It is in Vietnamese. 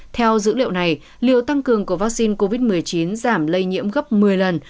theo dữ liệu này liệu tăng cường của vaccine covid một mươi chín giảm lây nhiễm gấp một mươi lần